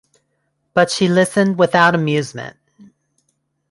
But she listened without amusement.